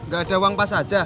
gak ada uang pas saja